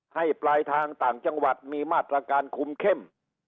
ปลายทางต่างจังหวัดมีมาตรการคุมเข้ม